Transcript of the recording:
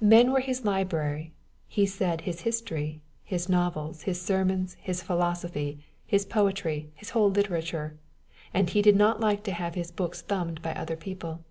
Men were his library, he said his history, his novels, his sermons, his philosophy, his poetry, his whole literature and he did not like to have his books thumbed by other people.